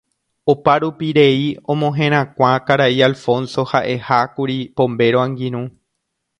Oparupirei omoherakuã Karai Alfonso ha'ehákuri Pombéro angirũ.